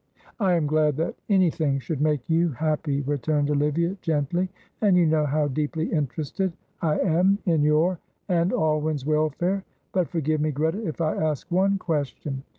"I am glad that anything should make you happy," returned Olivia, gently. "And you know how deeply interested I am in your and Alwyn's welfare. But forgive me, Greta, if I ask one question.